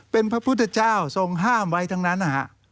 เป็นพระพุทธเจ้าทรงห้ามไว้ทั้งนั้นนะฮะ